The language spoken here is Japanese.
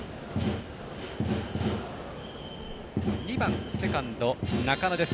２番セカンド、中野です。